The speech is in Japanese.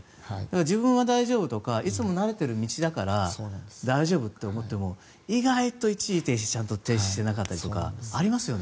自分は大丈夫だとかいつも慣れている道だから大丈夫だと思っても意外と一時停止ちゃんと停止してなかったりありますよね。